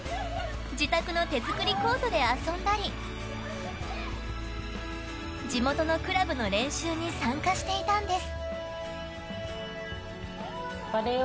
自宅の手作りコートで遊んだり地元のクラブの練習に参加していたんです。